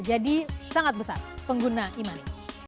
jadi sangat besar pengguna e money